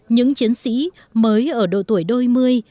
những chiến sĩ mới ở độ tuổi đôi mươi